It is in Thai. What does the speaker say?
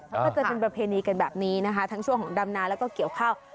ก็จะเป็นประเพณีกันแบบนี้นะคะทั้งช่วงของดำนาแล้วก็เกี่ยวข้าว